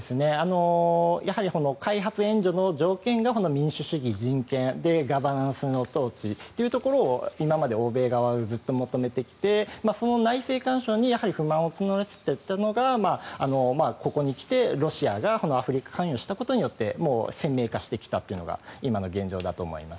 やはり開発援助の条件が民主主義、人権ガバナンスの統治というところを今まで欧米側がずっと求めてきてその内政干渉にやはり不満を募らせていったのがここに来て、ロシアがアフリカに関与したことによって鮮明化してきたというのが今の現状だと思います。